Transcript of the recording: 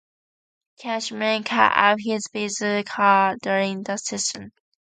Cashman cut up his Visa card during the session.